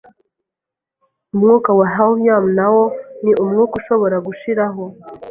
Umwuka wa helium na wo ni umwuka ushobora gushiraho,